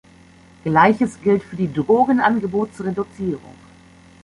Gleiches gilt für die Drogenangebotsreduzierung.